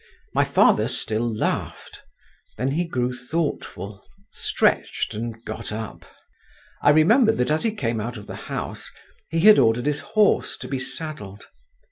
My father still laughed; then he grew thoughtful, stretched, and got up. I remembered that as he came out of the house he had ordered his horse to be saddled.